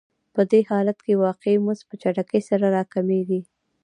په دې حالت کې واقعي مزد په چټکۍ سره راکمېږي